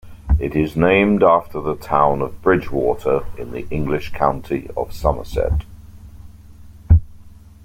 It is named after the town of Bridgwater in the English county of Somerset.